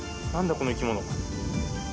この生き物。